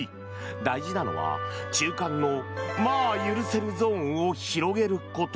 大事なのは中間のまあ許せるゾーンを広げること。